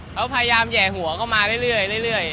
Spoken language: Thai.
เขาก็พยายามแห่หัวเข้ามาเรื่อยเรื่อย